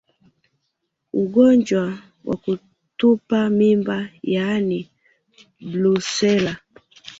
Ugonjwa wa kutupa mimba yaani Brusela